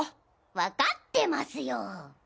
わかってますよ。